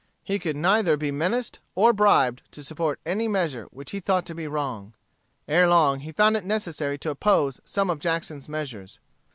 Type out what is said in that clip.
He could neither be menaced or bribed to support any measure which he thought to be wrong. Ere long he found it necessary to oppose some of Jackson's measures.